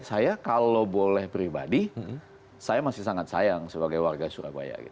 saya kalau boleh pribadi saya masih sangat sayang sebagai warga surabaya